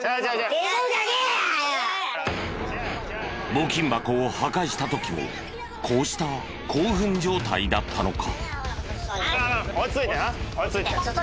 募金箱を破壊した時もこうした興奮状態だったのか？